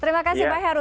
terima kasih pak heru